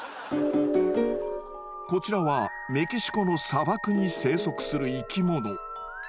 こちらはメキシコの砂漠に生息する生き物。